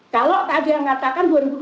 kalau tadi yang katakan dua ribu dua puluh dua